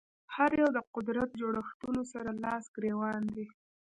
هر یو د قدرت جوړښتونو سره لاس ګرېوان دي